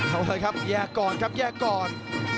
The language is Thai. เอาเลยครับแยกก่อนครับแยกก่อน